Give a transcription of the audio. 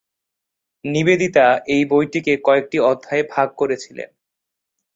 নিবেদিতা এই বইটিকে কয়েকটি অধ্যায়ে ভাগ করেছিলেন।